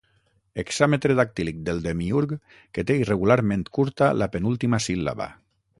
Hexàmetre dactílic del Demiürg que té irregularment curta la penúltima síl·laba.